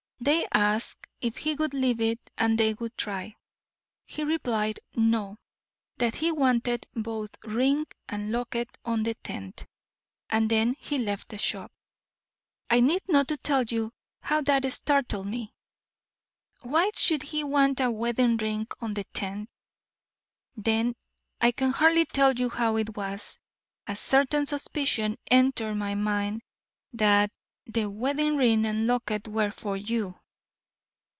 They asked if he would leave it and they would try. He replied, 'No; that he wanted both ring and locket on the tenth.' And then he left the shop. I need not tell you how that startled me. Why should he want a wedding ring on the tenth. Then I can hardly tell you how it was a certain suspicion entered my mind that the wedding ring and locket were for you!"